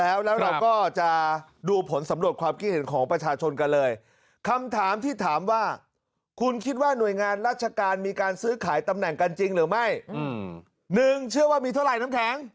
๓เปอร์เซ็นต์ไอ้ปุ่มไม่เชื่อนี่ไม่ได้ผิดอะไรใช่ไหม